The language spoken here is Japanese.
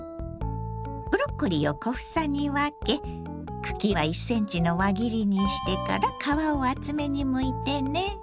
ブロッコリーを小房に分け茎は１ｃｍの輪切りにしてから皮を厚めにむいてね。